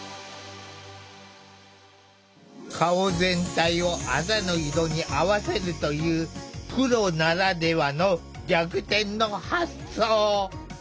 顔全体をあざの色に合わせるというプロならではの逆転の発想。